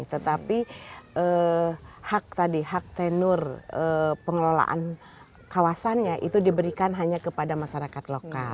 tetapi hak tadi hak tenur pengelolaan kawasannya itu diberikan hanya kepada masyarakat lokal